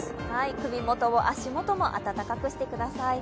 首元、足元も温かくしてください。